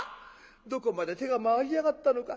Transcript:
どこまで手が回りやがったのか。